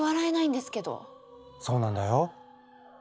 そうなんだよ。